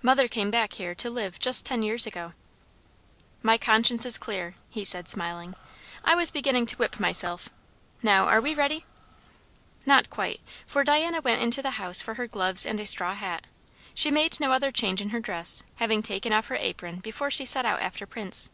"Mother came back here to live just ten years ago." "My conscience is clear!" he said, smiling. "I was beginning to whip myself. Now are we ready?" Not quite, for Diana went into the house for her gloves and a straw hat; she made no other change in her dress, having taken off her apron before she set out after Prince.